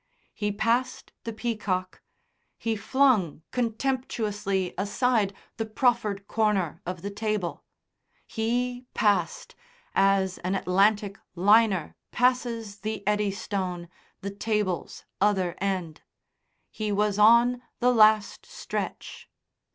He passed the peacock, he flung contemptuously aside the proffered corner of the table; he passed, as an Atlantic liner passes the Eddystone, the table's other end; he was on the last stretch.